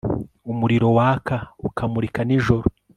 umuriro waka ukamurika nijoro